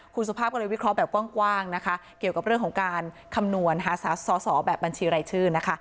คุณสุภาพก็เลยวิเคราะห์แบบกว้างนะคะเกี่ยวกับเรื่องของการคำนวณหาสอสอแบบบัญชีรายชื่อนะคะ